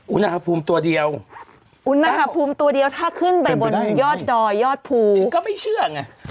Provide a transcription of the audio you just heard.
อุณหภูมิตัวเดียวอุณหภูมิตัวเดียวถ้าขึ้นไปบนยอดดอยยอดภูก็ไม่เชื่อไง